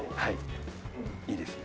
いいですね。